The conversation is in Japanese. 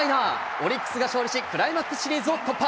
オリックスが勝利し、クライマックスシリーズを突破。